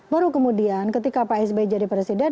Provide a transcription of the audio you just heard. baru kemudian ketika pak sby jadi presiden